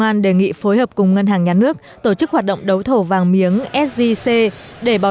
an đề nghị phối hợp cùng ngân hàng nhà nước tổ chức hoạt động đấu thầu vàng miếng sgc để bảo